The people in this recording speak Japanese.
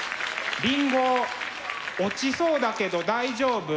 りんご落ちそうだけど大丈夫？